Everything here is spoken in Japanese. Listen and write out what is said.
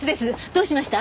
どうしました？